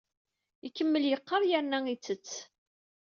Ikemmel yeqqar yerna ittett.